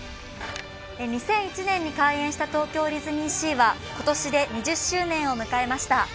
２００１年に開園した東京ディズニーシーは今年で２０周年を迎えました。